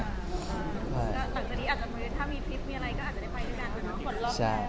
อาจจะมีถ้ามีทริปมีอะไรก็อาจจะได้ไปด้วยกัน